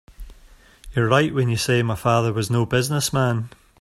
You're right when you say my father was no business man.